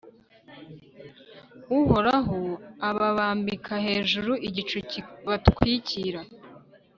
uhoraho ababambika hejuru igicu kibatwikira